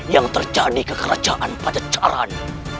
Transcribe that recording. yang terjadi ke kerajaan pajacaran